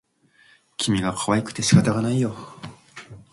君がかわいくて仕方がないよ